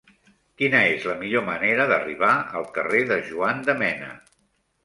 Quina és la millor manera d'arribar al carrer de Juan de Mena?